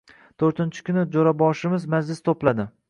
To‘rtinchi kuni jo‘raboshimiz «majlis» to‘pladi.